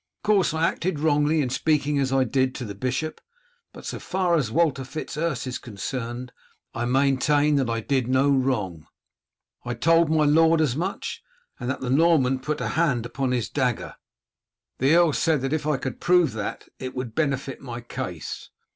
Of course I acted wrongly in speaking as I did to the bishop, but so far as Walter Fitz Urse is concerned I maintain that I did no wrong. I told my lord as much, and that the Norman put hand upon his dagger. The earl said that if I could prove that it would benefit my case.